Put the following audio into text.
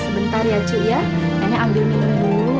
sebentar ya cuk ya nenek ambil ini dulu